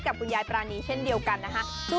คุณยายปรานีเช่นเดียวกันนะคะ